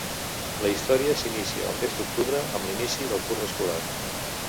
La història s'inicia al mes d'octubre, amb l'inici del curs escolar.